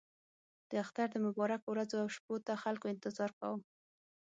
د اختر د مبارکو ورځو او شپو ته خلکو انتظار کاوه.